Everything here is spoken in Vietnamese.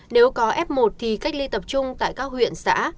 nếu có f một thì cách ly tập trung tại các huyện xã